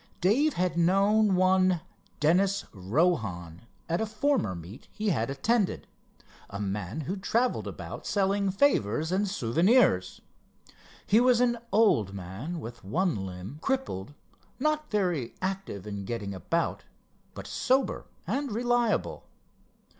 Dave had known one Dennis Rohan at a former meet he had attended, a man who traveled about selling favors and souvenirs. He was an old man with one limb, crippled, not very active in getting about, but sober and reliable.